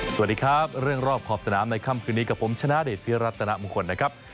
สวัสดีครับเรื่องรอบขอบสนามในค่ำคืนนี้กับผมชนะเดชพิรัตนมงคลนะครับ